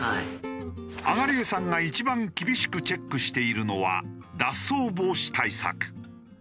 東江さんが一番厳しくチェックしているのは脱走防止対策。